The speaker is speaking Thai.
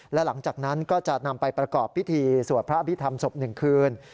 และหลังจากนั้นก็จะนำไปประกอบพิธีสวัสดิ์พระพิธรรมศพหนึ่งคืน